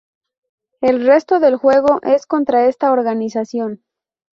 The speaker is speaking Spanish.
El resto del juego es contra esta organización.